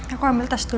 aku ambil tas dulu ya